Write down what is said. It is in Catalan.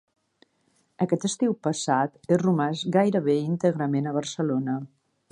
Aquest estiu passat he romàs gairebé íntegrament a Barcelona.